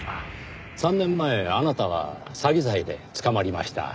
３年前あなたは詐欺罪で捕まりました。